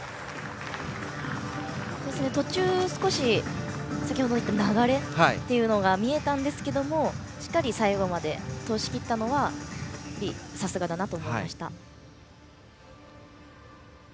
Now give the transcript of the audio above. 途中、少し先程も言った流れというのが見えたんですが、しっかり最後まで通し切ったのはさすがだなと思いました。